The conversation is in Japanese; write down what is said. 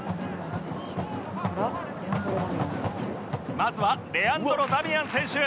まずはレアンドロダミアン選手